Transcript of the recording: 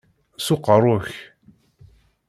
S uqeṛṛu-k!